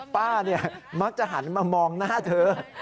ป้ามักจะหันมามองหน้าเธอ